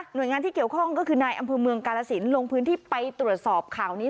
โดยงานที่เกี่ยวข้องก็คือนายอำเภอเมืองกาลสินลงพื้นที่ไปตรวจสอบข่าวนี้